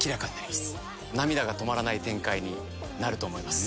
涙が止まらない展開になると思います。